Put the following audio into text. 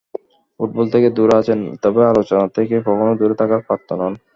Football থেকে দূরে আছেন, তবে আলোচনা থেকে কখনোই দূরে থাকার পাত্র নন।